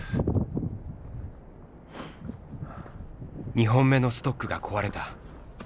２本目のストックが壊れた。